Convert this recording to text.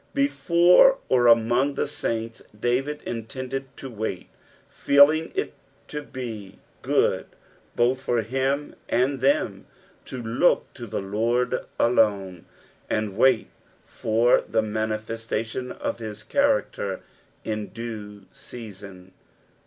Before or among the saints David intended to wait, feelinff it to be good both for him and them to look to the Lord alone, and wait for the mani festation of his charocter in due season.